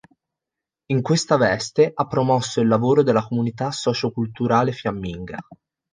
In questa veste ha promosso il lavoro della comunità socio-culturale fiamminga.